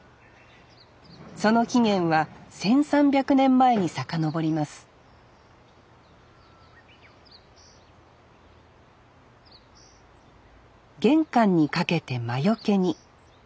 その起源は１，３００年前に遡ります玄関にかけて魔よけに。